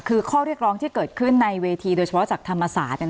คือข้อเรียกร้องที่เกิดขึ้นในเวทีโดยเฉพาะจากธรรมศาสตร์